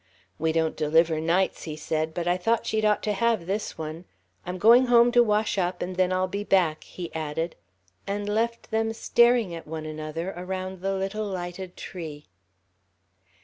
"We don't deliver nights," he said, "but I thought she'd ought to have this one. I'm going home to wash up, and then I'll be back," he added, and left them staring at one another around the little lighted tree.